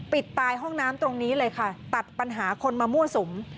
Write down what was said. ตายห้องน้ำตรงนี้เลยค่ะตัดปัญหาคนมามั่วสุม